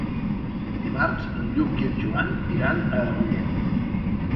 Dimarts en Lluc i en Joan iran a Agullent.